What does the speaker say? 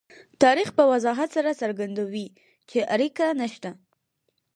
تاریخ په وضاحت سره څرګندوي چې اړیکه نشته.